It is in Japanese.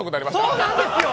そうなんですよ！